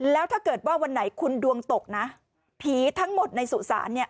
แล้วถ้าเกิดว่าวันไหนคุณดวงตกนะผีทั้งหมดในสุสานเนี่ย